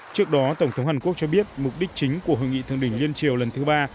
trước đó tổng thống hàn quốc cho biết mục đích chính của hội nghị thượng đỉnh liên triều lần thứ ba